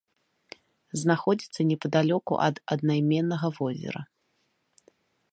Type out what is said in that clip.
Знаходзіцца непадалёку ад аднайменнага возера.